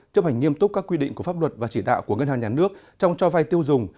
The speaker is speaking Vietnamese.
chấp hành nghiêm túc các quy định của pháp luật và chỉ đạo của ngân hàng nhà nước trong cho vai tiêu dùng